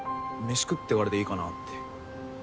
飯食ってからでいいかなって。